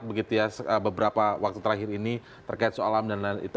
pelajaran yang dilihat begitu ya beberapa waktu terakhir ini terkait soal amdal dan lain lain itu